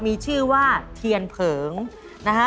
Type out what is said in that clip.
มีชื่อว่าเทียนเผิงนะฮะ